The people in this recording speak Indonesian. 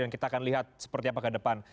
dan kita akan lihat seperti apa ke depan